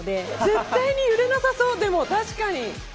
絶対に揺れなさそうでも確かに。